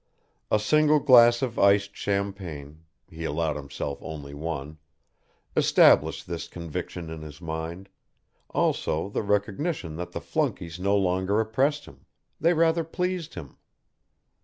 A single glass of iced champagne he allowed himself only one established this conviction in his mind, also the recognition that the flunkeys no longer oppressed him, they rather pleased him.